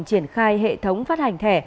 triển khai hệ thống phát hành thẻ